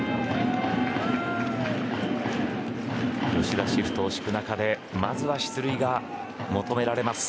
吉田シフトを敷く中でまずは出塁が求められます。